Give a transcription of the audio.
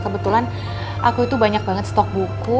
kebetulan aku itu banyak banget stok buku